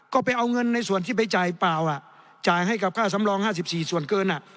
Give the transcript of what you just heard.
ก็ไปเอาเงินในส่วนที่ไปจ่ายเปล่าจ่ายให้กับค่าสำรอง๕๔ส่วนเกิน